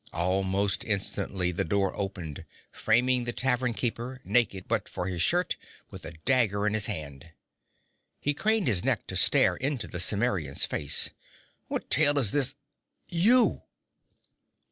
Almost instantly the door opened, framing the tavern keeper, naked but for his shirt, with a dagger in his hand. He craned his neck to stare into the Cimmerian's face. 'What tale is this _you!